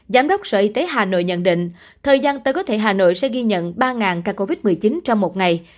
giám đốc sở y tế hà nội nhận định thời gian tới có thể hà nội sẽ ghi nhận ba ca covid một mươi chín trong một ngày